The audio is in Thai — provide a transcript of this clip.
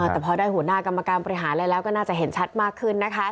แต่พอได้หัวหน้ากรรมการบริหารอะไรแล้วก็น่าจะเห็นชัดมากขึ้นนะคะ